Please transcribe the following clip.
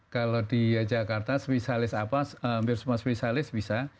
kalau di jakarta spesialis apa hampir semua spesialis bisa